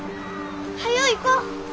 早う行こう！